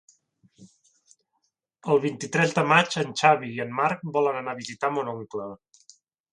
El vint-i-tres de maig en Xavi i en Marc volen anar a visitar mon oncle.